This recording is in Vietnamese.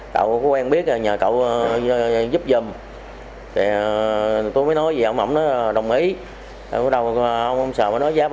cậu có quen biết nhờ cậu giúp giùm tôi mới nói gì ông ổng nói đồng ý ông sợ mới nói giá ba trăm linh